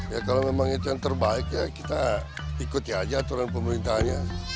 ya kalau memang itu yang terbaik ya kita ikuti aja aturan pemerintahnya